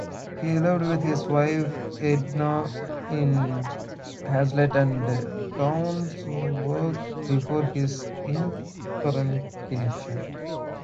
He lived with his wife, Edna, in Hazlet and Keansburg before his incarceration.